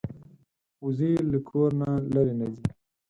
وزې له کور نه لرې نه ځي